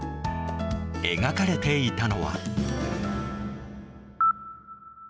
描かれていたのは。